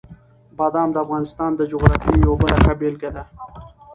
بادام د افغانستان د جغرافیې یوه بله ښه بېلګه ده.